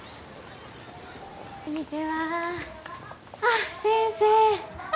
こんにちはあっ先生あ